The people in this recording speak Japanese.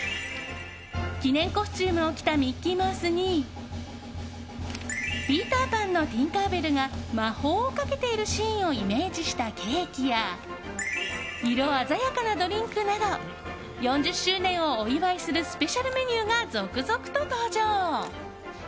記念コスチュームを着たミッキーマウスに「ピーター・パン」のティンカー・ベルが魔法をかけているシーンをイメージしたケーキや色鮮やかなドリンクなど４０周年をお祝いするスペシャルメニューが続々と登場。